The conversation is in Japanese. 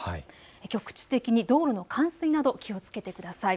局地的に道路の冠水など気をつけてください。